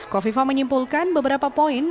kofi fah menyimpulkan beberapa poin